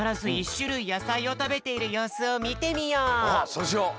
そうしよう！